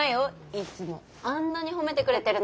いつもあんなに褒めてくれてるのに。